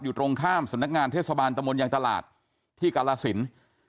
อยู่ตรงข้ามสนักงานเทศบาลตะมนต์อย่างตลาดที่กาลาศิลป์